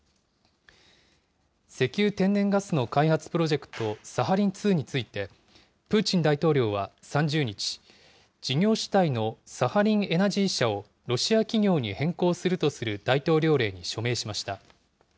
石油・天然ガスの開発プロジェクト、サハリン２について、プーチン大統領は３０日、事業主体のサハリンエナジー社をロシア企業に変更するとする大統領令に署名しました。